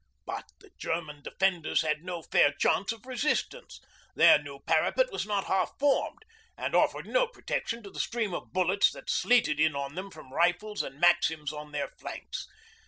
But the German defenders had no fair chance of resistance. Their new parapet was not half formed and offered no protection to the stream of bullets that sleeted in on them from rifles and maxims on their flanks.